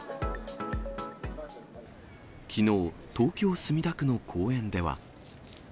きのう、東京・墨田区の公園では。